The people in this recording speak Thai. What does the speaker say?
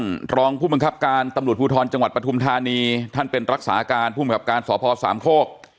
การตรองผู้บังคับการณ์ตำรวจภูทรจังหวัดปฐุมธานีท่านเป็นรักษาการผู้บังคับการณ์สภ๓โฆ